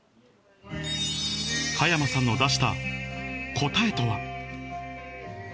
加山さんの出した答えとは。